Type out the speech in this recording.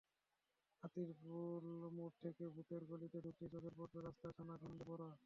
হাতিরপুল মোড় থেকে ভূতের গলিতে ঢুকতেই চোখে পড়বে রাস্তা খানাখন্দে ভরা।